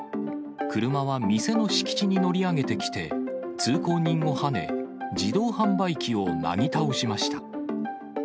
車は店の敷地に乗り上げてきて、通行人をはね、自動販売機をなぎ倒しました。